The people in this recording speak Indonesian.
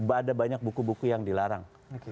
ada banyak buku buku yang dilarang